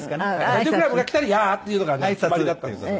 ダチョウ倶楽部が来たら「ヤー」っていうのがね決まりだったんです。